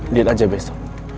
lihat aja besok